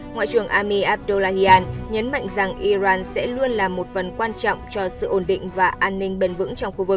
ngoại trưởng ami abdullahian nhấn mạnh rằng iran sẽ luôn là một phần quan trọng cho sự ổn định và an ninh bền vững trong khu vực